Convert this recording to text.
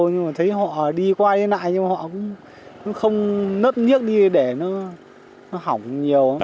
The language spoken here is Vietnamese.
nhưng mà thấy họ đi qua đi lại nhưng họ cũng không nớt nhếc đi để nó hỏng nhiều